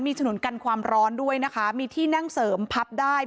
มีถนนกันความร้อนด้วยนะคะมีที่นั่งเสริมพับได้